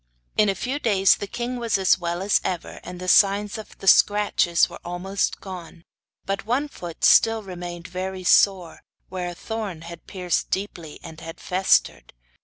In a few days the king was as well as ever, and the signs of the scratches were almost gone; but one foot still remained very sore, where a thorn had pierced deeply and had festered.